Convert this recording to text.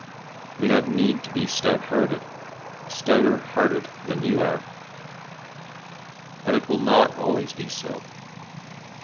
We have need to be stout hearted stouter hearted than you are. But it will not always be so.